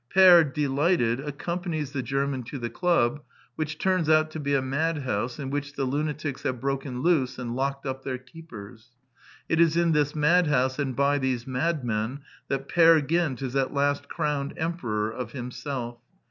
Peer, delighted, accompanies the German to the club, which turns out to be a madhouse in which the lunatics have broken loose and locked up their keepers. It is in this madhouse, and by these madmen, that Peer Gynt is at last crowned Emperor of Himself.